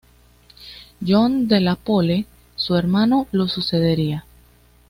John de la Pole, su hermano, lo sucedería.